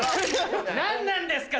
何なんですか？